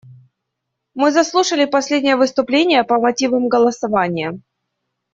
Мы заслушали последнее выступление по мотивам голосования.